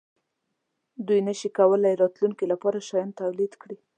دوی نشوای کولای راتلونکې لپاره شیان تولید کړي.